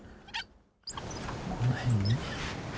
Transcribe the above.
この辺に。